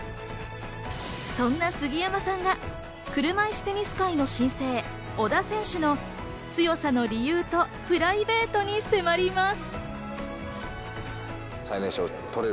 そんな杉山さんが車いすテニス界の新星・小田選手の強さの理由とプライベートに迫ります。